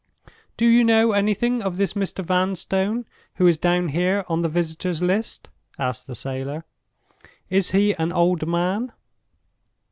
"Do you know anything of this Mr. Vanstone who is down here on the visitors' list?" asked the sailor. "Is he an old man?"